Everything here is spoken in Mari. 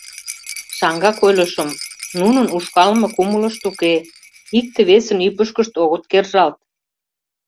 Шаҥгак ойлышым: нунын ушкалыме кумылышт уке, икте-весын ӱпышкышт огыт кержалт...